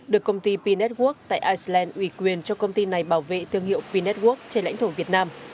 được công ty p network tại iceland ủy quyền cho công ty này bảo vệ thương hiệu p network trên lãnh thổ việt nam